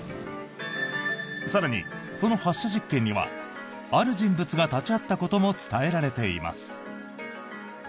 更に、その発射実験にはある人物が立ち会ったことも伝えられています。